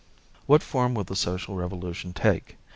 What form will the social revolution take?